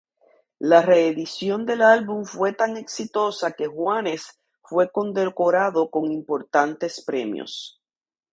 La reedición del álbum fue tan exitosa que Juanes fue condecorado con importantes premios.